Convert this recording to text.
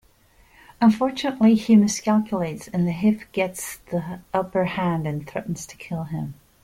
Unfortunately he miscalculates and Lehiff gets the upper hand and threatens to kill him.